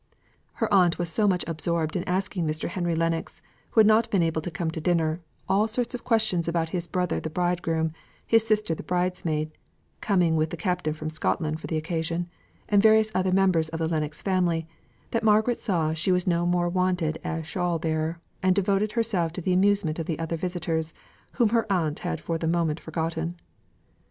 Her aunt was so much absorbed in asking Mr. Henry Lennox who had not been able to come to dinner all sorts of questions about his brother the bridegroom, his sister the bridesmaid (coming with the Captain from Scotland for the occasion), and various other members of the Lennox family, that Margaret saw she was no more wanted as shawl bearer, and devoted herself to the amusement of the other visitors, whom her aunt had for the moment forgotten.